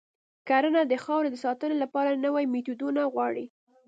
کرنه د خاورې د ساتنې لپاره نوي میتودونه غواړي.